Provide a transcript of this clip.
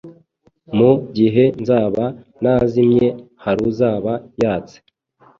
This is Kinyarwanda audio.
Mu gihe nzaba nazimye haruzaba yatse